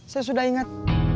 saya sudah inget